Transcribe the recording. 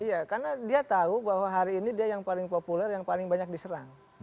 iya karena dia tahu bahwa hari ini dia yang paling populer yang paling banyak diserang